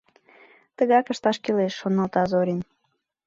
«Тыгак ышташ кӱлеш, — шоналта Зорин.